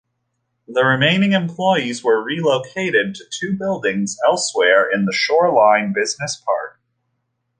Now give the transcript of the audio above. The remaining employees were relocated to two buildings elsewhere in the Shoreline Business Park.